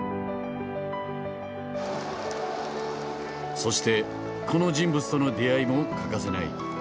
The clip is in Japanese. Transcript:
そしてこの人物との出会いも欠かせない。